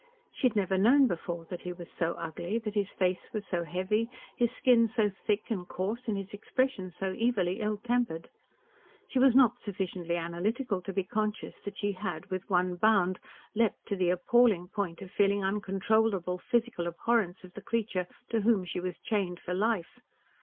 She had never known before that he was so ugly, that his face was so heavy, his skin so thick and coarse and his expression so evilly ill tempered. She was not sufficiently analytical to be conscious that she had with one bound leaped to the appalling point of feeling uncontrollable physical abhorrence of the creature to whom she was chained for life.